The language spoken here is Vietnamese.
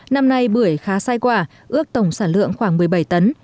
năm nay bưởi khá sai quả ước tổng sản lượng khoảng một mươi bảy tấn